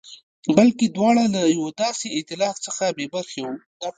بلکې دواړه له یوه داسې اېتلاف څخه بې برخې وو.